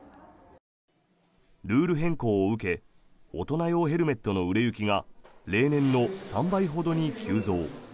ルール変更を受け大人用ヘルメットの売れ行きが例年の３倍ほどに急増。